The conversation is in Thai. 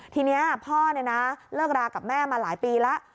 ทีนี้พ่อเลิกรากับแม่มาหลายปีแล้ว